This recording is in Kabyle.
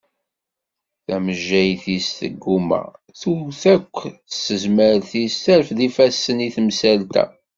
Tamejjayt-is tegguma, tewwet akk s tezmert-is, terfed ifassen i temsalt-a.